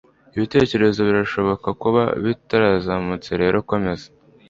Ibitekerezo birashobora kuba bitarazamutse rero komeza